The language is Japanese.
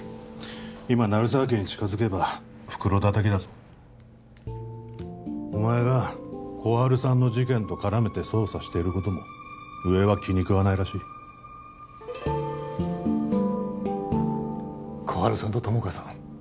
今鳴沢家に近づけば袋叩きだぞお前が心春さんの事件と絡めて捜査していることも上は気に食わないらしい心春さんと友果さん